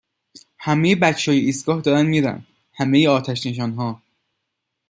همهی بچههای ایستگاه دارن میرن همهی آتشنشانها